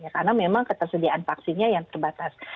karena memang ketersediaan vaksinnya yang terbatas